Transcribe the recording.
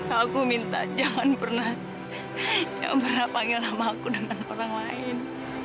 aku minta jangan pernah jangan pernah panggil nama aku dengan orang lain